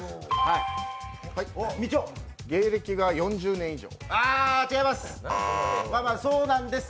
芸歴が４０年以上？